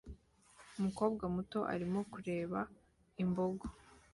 Umukobwa muto arimo kureba imboga